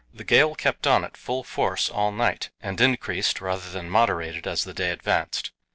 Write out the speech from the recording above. The gale kept on at full force all night, and increased rather than moderated as the day advanced.